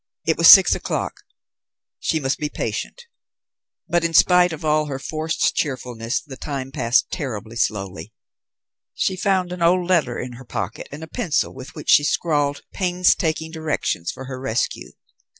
It was six o'clock. She must be patient. But in spite of all her forced cheerfulness the time passed terribly slowly. She found an old letter in her pocket, and a pencil, with which she scrawled painstaking directions for her rescue.